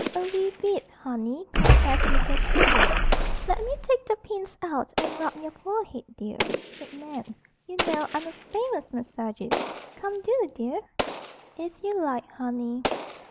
"A wee bit, honey," confessed Mrs. Sherwood. "Let me take the pins out and rub your poor head, dear," said Nan. "You know, I'm a famous 'massagist.' Come do, dear." "If you like, honey."